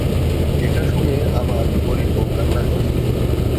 এটা শুনে আমার গরীব বউ কান্না করে।